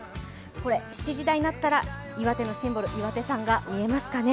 これ、７時台になったら岩手のシンボル、岩手山が見えますかね